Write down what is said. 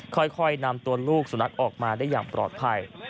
ค่อยนำตัวลูกสุนัขออกมาได้อย่างปลอดภัย